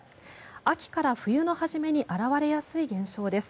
秋から冬の初めに現れやすい現象です。